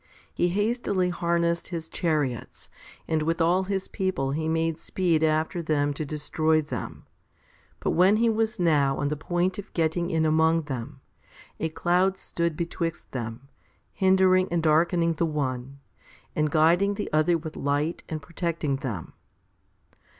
He hastily harnessed his chariots, and with all his people he made speed after them to destroy them ; but when he was now on the point of getting .in among them, a cloud stood betwixt them, hindering and darkening the one, and guiding the other with light and protecting them.